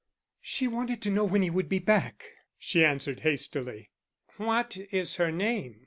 "She wanted to know when he would be back," she answered hastily. "What is her name?"